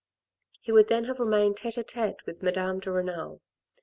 He would then have remained tete a tete with Madame de Renal.